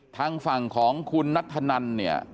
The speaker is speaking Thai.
ทางฝั่งของคุณนัทธนันเนี่ย